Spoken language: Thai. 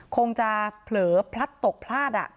คงจะเผลอพลัดตกพลาด